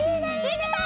できた！